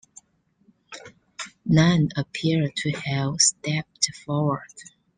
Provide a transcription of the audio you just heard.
None appear to have stepped forward.